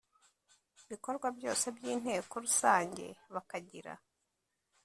bikorwa byose by Inteko Rusange bakagira